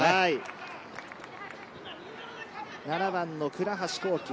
７番の倉橋幸暉。